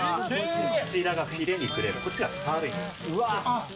こちらがフィレ肉でこっちがサーロインです。